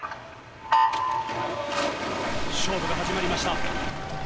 勝負が始まりました。